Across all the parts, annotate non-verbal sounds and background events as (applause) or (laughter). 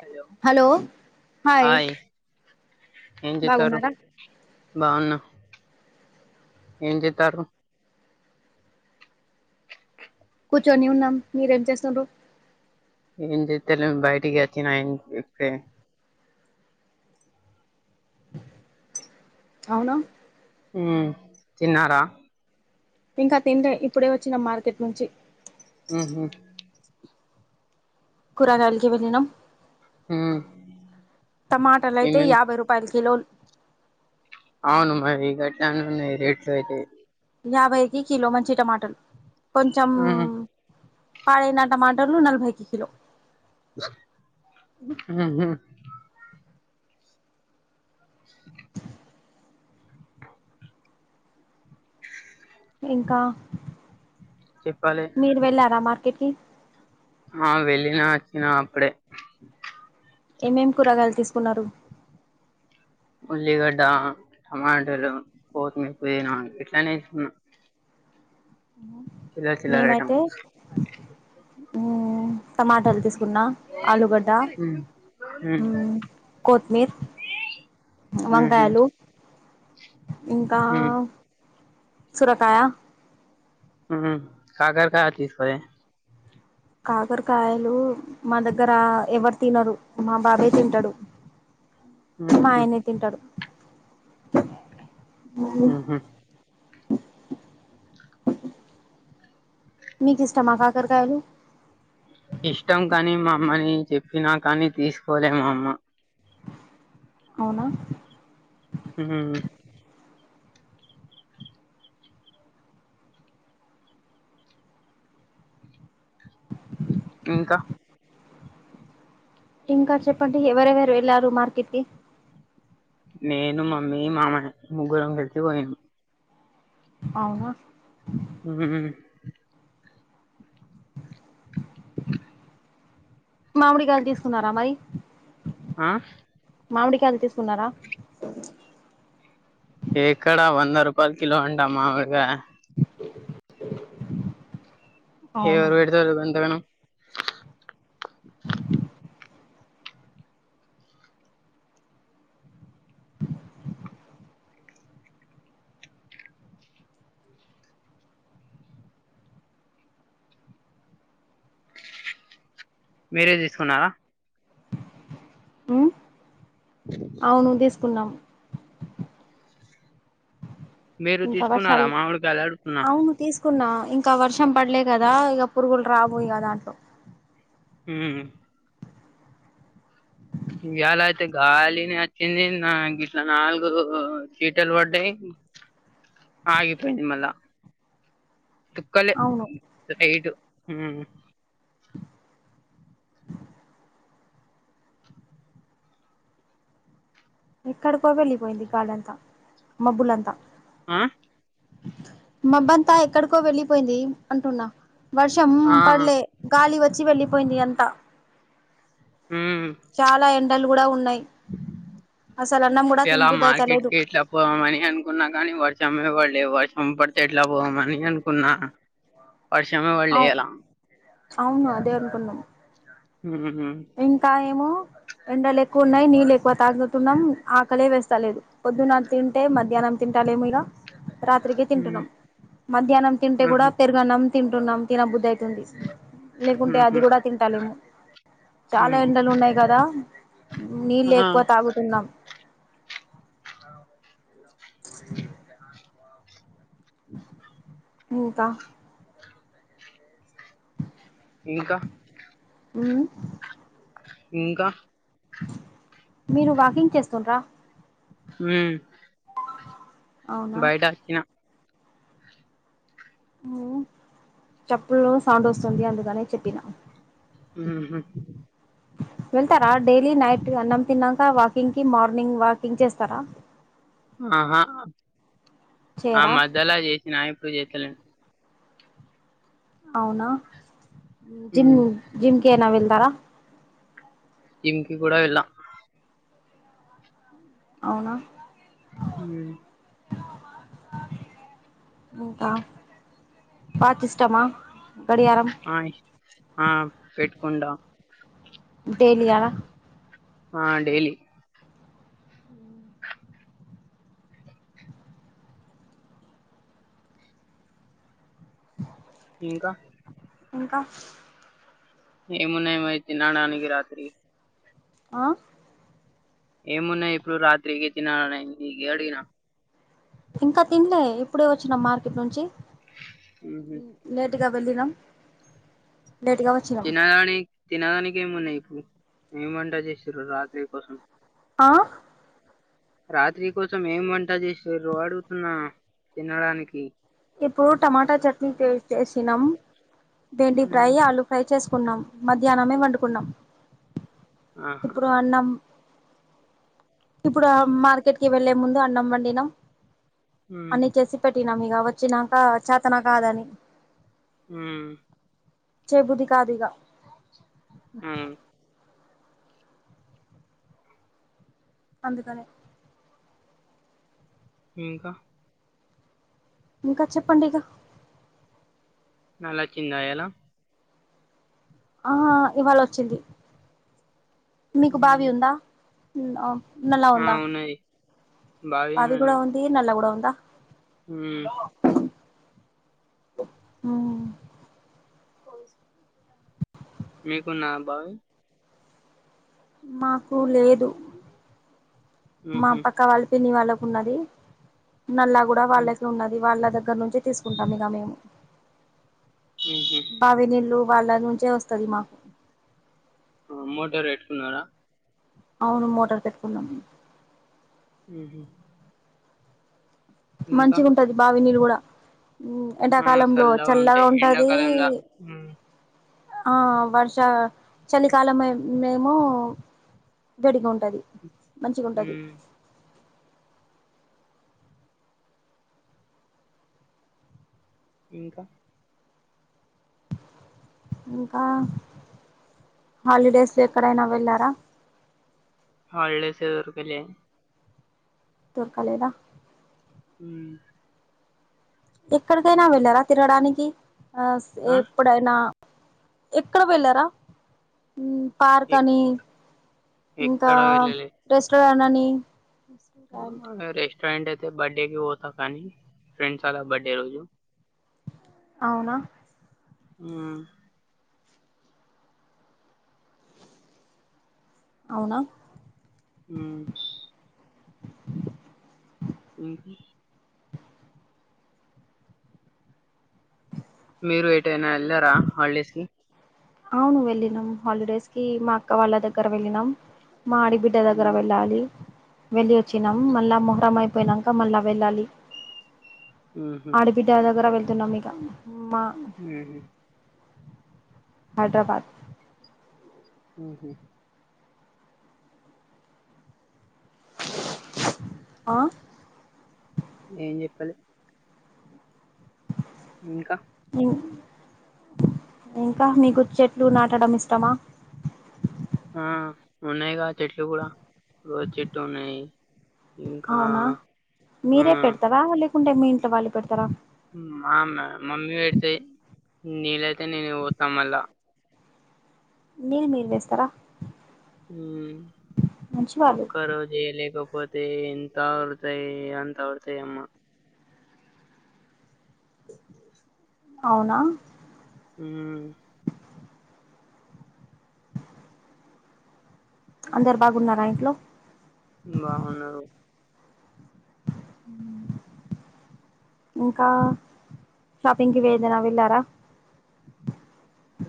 Hello hi ఏం జేత్తారు బాగున్నారా? బాన్నా ఏం జేత్తారు కూర్చొని ఉన్నాం మీరేం చేస్తుండ్రు ఏం చేత్తలేమ్ బైటికి వచ్చిన ఇప్పుడే అవునా ఉ తిన్నారా ఇంకా తిండ్లే ఇప్పుడే వచ్చినాం మార్కెట్ నుంచి ఊహు కురగాల్కి వెళ్ళినం. మ్మ్ టమాటలు అయితే ఏమేం యాభై రూపాయలకి కిలోలు అవును మరి గట్టిగానే ఉన్నాయి రేట్స్ అయితే యాభైకి కిలో మంచి టమాటలు కొంచెం మ్మ్ పాడేనా టమాటలు నలభైకి కిలో ఉమ్ ఊ ఇంకా చెప్పాలి మీరు వెళ్ళారా మార్కెట్కి? ఆ వెళ్ళినా అచ్చిన అప్పుడే ఏమేమేం కూరగాయలు తీసుకున్నారు. ఉల్లిగడ్డ, టమాటలు, కొత్తిమీర్, పుదీనా ఇట్లనే తీసుకున్న చిల్లర్ చిల్లర ఐటమ్స్ ఉమ్ టమాటాలు తీసు న్నా ఆలుగడ్డ, మ్మ్ మ్మ్ కోత్మీర్ మ్మ్ హు వంకాయలు ఇంకా మ్మ్ సోరకాయా ఉమ్ కాకరకాయ తీసుకోలే కాకరకాయలు మా దగ్గర ఎవరు తినరు మా బాబే తింటాడు. మ్మ్ మా హు ఆయనే తింటడు. ఉహుం మీకు ఇష్టమా కాకరకాయలు? ఇష్టం కాని మా అమ్మని చెప్పినా కానీ తీసుకోలే మా అమ్మ అవునా ఉహుం హ్మ్ ఇంకా ఇంకా చెప్పండి ఎవరెవరు వెళ్ళారు మార్కెట్ కి నేను మమ్మీ మామయ్య ముగ్గురం కలిచి పోయినం. అవునా ఉ హ్మ్ మామిడికాయలు తీసుకున్నారా? మరి ఆహ్ మామిడికాయలు తీసుకున్నారా? ఎక్కడ వంద రూపాయలు కిలో అంట మామిడికాయ్ అవును ఎవరు వెడతారు గంతగానం మీరే తీసుకున్నారా? ఉమ్ అవును తీస్ కున్నాం. మీరు ఇంకావర్షాల్ తీసుకున్నారా మామిడికాయలు అడుగుతున్నా అవును తీస్ తీసుకున్నా ఇంకా వర్షం పడలే కదా ఇగ పురుగులు రావు ఇగ దాంట్లో హ్మ్ ఇయ్యాల అయితే గాలిని వచ్చింది నాగిట్లా నాలుగు చీటలు పడ్డాయి. ఆగిపేయింది మళ్ళా చుక్కలే అవును యైట్ హ్మ్ ఏక్కడకి వెళ్లి పోయింది. గాల్లంతా మబ్బులంత ఆ మబ్బంతా ఎక్కడికో వెళ్ళిపోయింది. అంటున్నా వర్షం ఆ పడలే గాలి వచ్చి వెళ్ళిపోయింది. అంతా ఉమ్ చాలా ఎండలు కూడా ఉన్నాయి. అసలు అన్నం కూడా ఎలా తినబుద్ధి మార్కెట్ అయితలేదు కి ఎట్లా పోదామని అనుకున్నా కానీ వర్షం మీద పడి లేదు వర్షం పడితే ఎట్లా పోదమని అనుకున్నా వర్షమే పడలే అవు ఇయ్యాల అవును అదే అనుకున్నాము ఉహు ఇంకా ఏమో ఎండలు ఎక్కువ ఉన్నాయి నీళ్ళు ఎక్కువ తాగుతున్నాం ఆకలే వేస్తా లేదు పొద్దున్న తింటే మధ్యాహ్నం తింటలే మీద రాత్రికే తింటున్నాం మధ్యానం తింటే కూడా ఉహు పెరుగన్నం తింటున్నాం తిన బుద్ధి అయితుంది లేకుంటే అది ఉహు కూడా తింటలేము చాలా ఉహు ఎండలు ఉన్నాయి కదా నీళ్ళు ఆ ఎక్కువ తాగుతున్నాం లే అ ఇంకా ఇంకా హ్మ్ ఇంకా మీరు వాకింగ్ చేస్తుండ్రా హ్మ్ అవునా బయట వచ్చిన హ్మ్ చెప్పులు సౌండ్ వస్తుంది అందుకనే చెప్పినా ఊహూ వెళ్తారా డైలీ నైట్ అన్నం తిన్నాక వాకింగ్ కి మార్నింగ్ వాకింగ్ చేస్తారా ఆహా ఆ చేయరా మధ్యలో చేసిన ఇప్పుడు చేత్తలే అవునా జిమ్ ఉమ్ జిమ్ కైనా వెల్తారా జిమ్ కి కూడా వెళ్ళం అవునా హ్మ్ ఇంకా పాట ఇష్టమా గడియారం ఆ ఇష్ ఆ పెట్కుంట డైలీ ఇయాల ఆ డైలీ ఇంకా ఇంకా ఏమున్నాయి మరి తినడానికి రాత్రి ఆ ఏమున్నాయి ఇప్పుడు రాత్రికి తినడానికి అడిగిన ఇంకా తినలే ఇప్పుడే వచ్చిన మార్కెట్ నుంచి ఊహూ (unintelligible) తినం తినదాని తినదానికి ఏమున్నాయి ఇప్పుడు ఏమి వంట చేసిరు రాత్రి కోసం ఆ రాత్రి కోసం ఏం వంట చేసిర్రు అడుగుతున్నా తినడానికి ఇప్పుడు టమాటా చట్నీ చేసినాం బెండి ఫ్రై ఉమ్ ఆలు ఫ్రై చేసుకు కున్నాం మధ్యాహ్నమే వండుకున్నాం ఆహా ఇప్పుడు అన్నం ఇప్పుడు మార్కెట్ కి వెళ్ళే ముందు అన్నం వండినాం ఉమ్ అన్ని చేసి పెట్టినాం ఇ ఇగ వచ్చినాక చేతన కాదని హ్మ్ చెయబుద్ది కాదిగా హ్మ్ అందుకనే ఇంకా ఇంకా చెప్పండి ఇక నెలా వచ్చిందియాలా ఆ హ ఇవాళ వచ్చింది మీకు బావి ఉమ్ ఉందా ఆ ఉన్నది పవి కూడా ఉంది నల్లా కూడా ఉందా హమ్ ఆ మీకు ఉందా బావి మాకు లేదు మా ఉహు పక్క వాళ్ళు పిన్ని వాళ్ళ ఉన్నది నల్ల కూడా ఉమ్ వాళ్ళడ ఉన్నది వాళ్ళగ్ దగ్గర నుంచి తీసుకుంటాం ఇక మేము ఉహు బావి నీళ్ళు వాళ్ళ నుంచే వస్తుది మాకు మోటార్ ఎటుకున్నారా అవును మోటార్ పెట్టుకున్నాం హమ్ మంచిగా ఉంటది బావి నీరు కూడా ఆ ఎండాకాలంలో చల్లగా ఉంటాయి ఉంటది ఎండాకాలంలా ఉమ్ ఆ వర్ష చలికాలం మేము గడిగా ఉంటది మంచిగా ఉంటది ఉమ్ ఇంకా ఇంకా హాలిడేస్ లో ఎక్కడైనా వెళ్ళారా హాలిడేస్ ఎవరికిలే దరకాలేదా అమ్ ఎక్కడికైనా వెళ్ళారా తిరగాడానికి ఆ ఆ ఎప్పుడైనా ఎక్కడ వెేళ్ళరా పార్క్ ఎక్- అని ఇంకా ఎక్కడ వెళ్ళలే రెస్టారెంట్ అని రెస్టారెంట్ అయితే బర్త్డేకి పోతా కానీ ఫ్రెండ్స్ ఆలా బర్త్డే రోజు అవునా ఆ అవునా హ్మ్ ఇంకా మీరు ఏటేనా వెళ్ళారా హాలిడేసికి అవును వెళ్ళినం హాలిడేస్ కి మా అక్క వాళ్ళ దగ్గర వెళ్ళినం మా ఆడి బిడ్డ దగ్గర వెళ్ళాలి వెళ్లి వచ్చినాం మళ్ళా మొహరం అయిపోయినాక మళ్ళా వెళ్ళాలి ఉహు ఆడబిడ్డ దగ్గర వెళ్తున్నాం ఇక మా హమ్ హైదరాబాద్ హహ్మ్మ్ ఆ ఏం చెప్పాలి ఇంకా ఇం ఇంకా మీకు చెట్లు నాటడం ఇష్టమా ఆ ఉన్నాయిగా చెట్లు కూడా రోజ్ చెట్టు ఉన్నాయి ఇంకా అవునా ఆ మీరే పెడతారా లేకుంటే మీ ఇంట్లో వాళ్ళు పెడతారా మా అమ్మే మమ్మీ వెడతే నీలైతే నేను బాతమళ్ళ నీది మీరు వేస్తారా మ్ మంచి వాళ్ళు ఒక్క రోజే లేకో పోతే ఎంత అవుతాయి అంత అవుతాయి అమ్మ అవునా మ్ అందరు బాగున్నారా ఇంట్లో బాగున్నారు మ్ ఇంకా షాపింగ్కి వేదైనా వెళ్ళారా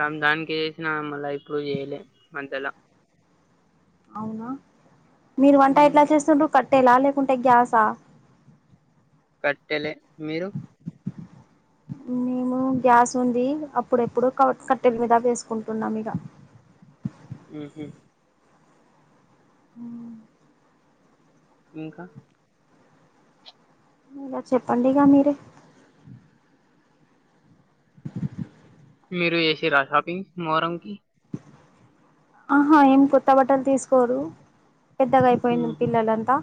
రంజాన్ కి చేసినా మల్ల ఎప్పుడు చేయలే మధ్యలో అవునా మీరు వంట ఉమ్ ఎట్లా చేస్తుండ్రు కట్టెల లేకుంటే గ్యాస్ ఆ కట్టేలే మీరు మేము గ్యాస్ ఉంది అప్పుడెప్పుడు క కట్టెల మీద వేసుకుంటున్నాం ఇగ మ్ హు మ్మ్ ఇంకా ఇంగా చెప్పండిగా మీరే మీరు జేసిర్రా షాపింగ్ మొహరం కి ఆహా ఏం కొత్త బట్టలు తీసుకోరు పెద్దగా అయిపోయిన ఉహు పిల్లలంతా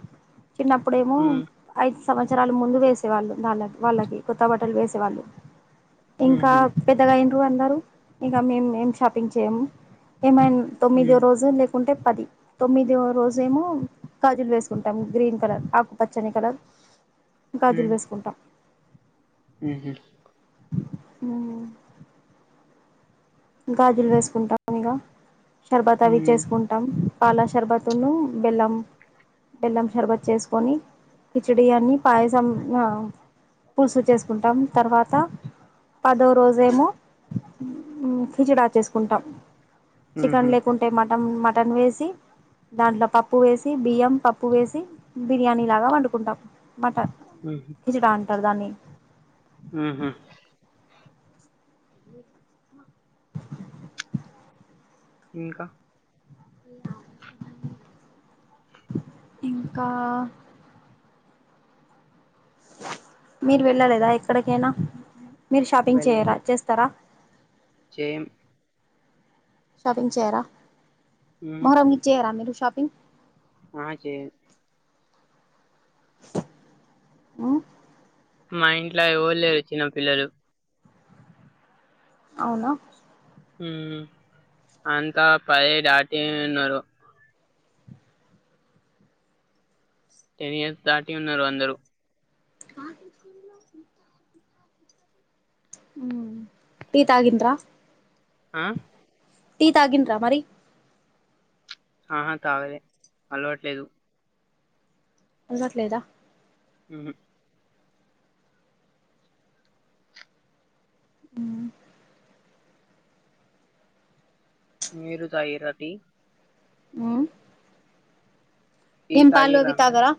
చిన్నప్పుడేమో ఉమ్ ఐ సంవత్సరాలు ముందు వేసేవాళ్ళు వాళ వాళ్ళకి కొత్త బట్టలు వేసేవాళ్ళు ఇంకా ఉహు పెద్దగా ఏంటివో అందరు ఇంకా మేము ఏం షాపింగ్ చేయము ఏమై తొమ్మిదో ఉమ్ రోజు లే కుంటే పది తొమ్మిదో రోజేమో గాజులు వేసుకుంటాం గ్రీన్ కలర్ ఆకుపచ్చని కలర్ గాజులు వేసుకుంటాం మ్ హు మ్మ్ గాజులు వేసుకుంటాం ఇంగా శషర్బత్ అవి ఉమ్ చేసుకుంటాం పాలాశర్బత్తూను బెల్లం బెల్లం షర్బతు చేసుకొని కిచిడి అని పాయసం ఆ పులుసు చేసుకుంటాం తర్వాత పదో రోజేమో కిచిడా చేేసుకుంటాం చికెన్ ఉహు లేకుంటే మటన్ మటన్ వేసి దాంట్లో పప్పు వేసి బియ్యం పప్పు వేసి బిర్యానీ లాగా వండుకుంటాం మటన్ కిచడా అంటారు దాన్ని మ్ హు ఇంకా ఇంకా మీరు వెళ్ళలేదా ఎక్కడికైనా మీరు షాపింగ్ చేయారా చేస్తారా చేం షాపింగ్ చేయిరా ఉహు మొహారాంకి చేయిరా మీరు షాపింగ్ ఆ చేయిం ఆ మా ఇంట్లోఎవర్ లేరు చిన్నపిల్లలు అవునా అంతా పది దాటి ఉన్నరు టెన్ ఇయర్స్ దాటి ఉన్నారు అందరూ ఆ ఉ టీ తగింద్రా ఆ టీ తాగిండ్రా మరి ఆహా తాగలే అలవట్లేదు అలవాటు లేదా ఉహు ఉహ్ మీరు తాగిరా టి ఉ టీ ఏం పాలు తాగిర్రా అవి తాగరా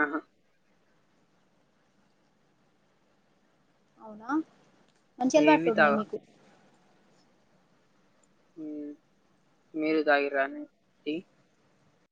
ఆహా అవునా మంచి అలవాట్లు ఏవి ఉన్నాయి తాగా మీకు ఉ మీరు దగిరా అని టీ